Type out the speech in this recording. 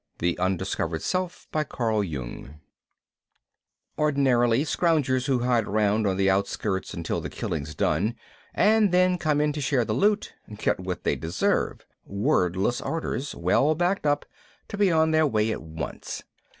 _ The Undiscovered Self, by Carl Jung Ordinarily scroungers who hide around on the outskirts until the killing's done and then come in to share the loot get what they deserve wordless orders, well backed up, to be on their way at once.